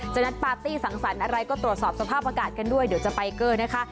ฉะนั้นปาร์ตี้สังสรรค์อะไรก็ตรวจสอบสภาพอากาศกันด้วยเดี๋ยวจะไปเกอร์นะคะ